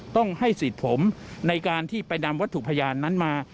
ต้องให้สิทธิ์ผมในการที่ไปนำวัตถุพยานนั้นมา